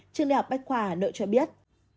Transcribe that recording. trường đại học bách khoa đợi cho biết